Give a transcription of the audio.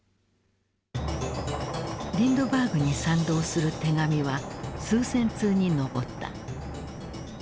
リンドバーグに賛同する手紙は数千通に上った。